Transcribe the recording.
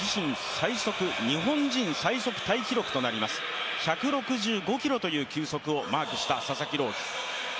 最速、日本人最速タイ記録となります１６５キロという球速をマークした佐々木朗希。